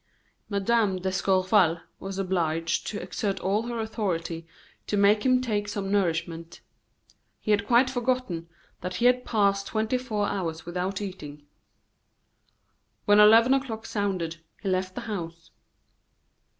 Mme. d'Escorval was obliged to exert all her authority to make him take some nourishment. He had quite forgotten that he had passed twenty four hours without eating. When eleven o'clock sounded he left the house.